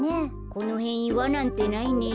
このへんいわなんてないね。